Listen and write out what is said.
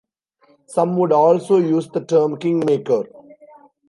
Some would also use the term "Kingmaker".